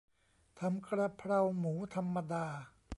ทำกระเพราหมูธรรมดา